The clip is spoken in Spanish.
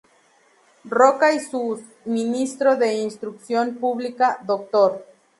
Roca y su ministro de Instrucción Pública, Dr.